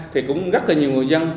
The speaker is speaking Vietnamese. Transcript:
thì cũng rất là nhiều người dân